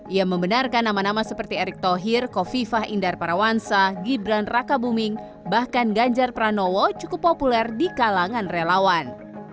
ia membenarkan nama nama seperti erick thohir kofifah indar parawansa gibran raka buming bahkan ganjar pranowo cukup populer di kalangan relawan